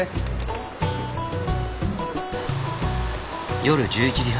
夜１１時半。